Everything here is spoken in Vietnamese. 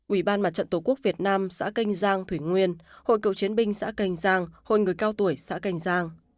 ủy ban mặt trận tổ quốc việt nam xã canh giang thủy nguyên hội cựu chiến binh xã canh giang hội người cao tuổi xã canh giang